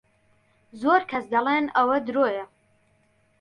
زۆر کەس دەڵێن ئەوە درۆیە.